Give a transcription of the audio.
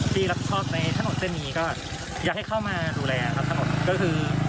รับผิดชอบในถนนเส้นนี้ก็อยากให้เข้ามาดูแลครับถนนก็คือ